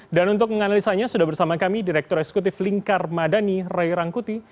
dan untuk menganalisanya sudah bersama kami direktur eksekutif lingkar madani ray rangkuti